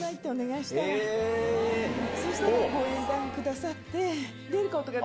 そしたらご英断くださって。